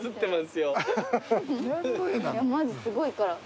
マジすごいから。